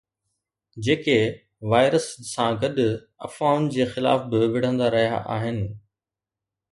جيڪي وائرس سان گڏ افواهن جي خلاف به وڙهندا رهيا آهن.